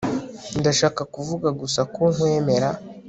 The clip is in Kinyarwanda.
Ndashaka kuvuga gusa ko nkwemera